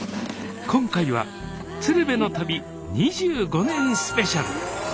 今回は鶴瓶の旅２５年スペシャル。